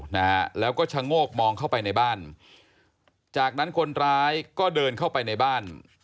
นะฮะแล้วก็ชะโงกมองเข้าไปในบ้านจากนั้นคนร้ายก็เดินเข้าไปในบ้าน